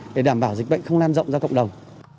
để đảm bảo dịch bệnh không lan rộng ra cộng đồng